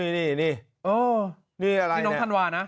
นี่นี่นี่อะไรนะ